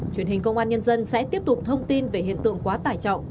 truyền hình công an nhân dân sẽ tiếp tục thông tin về hiện tượng quá tải trọng